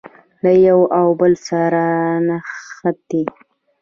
له یوه او بل سره نښتي.